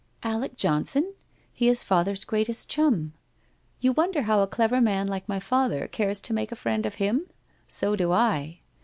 'Alec Johnson? He is father's greatest chum. You wonder how a clever man like my father cares to make a friend of him? So do I.